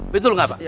betul gak pak